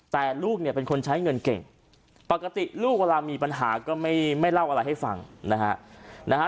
แต่ลูกเนี่ยเป็นคนใช้เงินเก่งปกติลูกเวลามีปัญหาก็ไม่เล่าอะไรให้ฟังนะฮะ